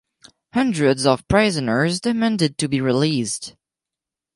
Hundreds of prisoners demanded to be released.